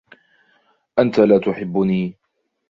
انت لا تحبني